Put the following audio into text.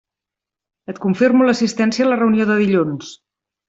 Et confirmo l'assistència a la reunió de dilluns.